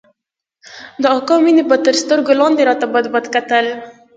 د اکا مينې به تر سترگو لاندې راته بدبد کتل.